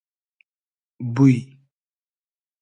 بوی